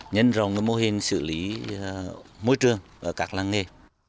nhân rộng mô hình xử lý môi trường ở các làng nghề